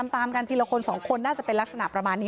ตามกันทีละคน๒คนน่าจะเป็นลักษณะประมาณนี้